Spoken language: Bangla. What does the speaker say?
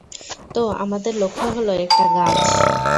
তো আমাদের লক্ষ্য হলো একটা গাছ।